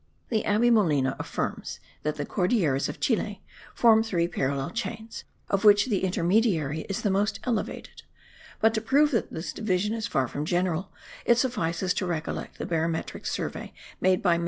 The Abbe Molina affirms that the Cordilleras of Chile form three parallel chains, of which the intermediary is the most elevated; but to prove that this division is far from general, it suffices to recollect the barometric survey made by MM.